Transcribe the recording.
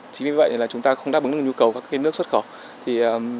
chính vì vậy là chúng ta không đáp ứng được nhu cầu các nước xuất khẩu